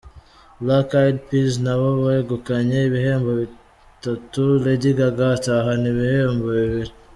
Black Eyed Peas nabo begukanye ibihembo bitatu, Lady Gaga atahana ibihembo bibiri.